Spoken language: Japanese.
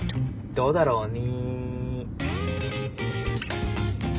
どうだろうに。